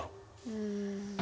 うん。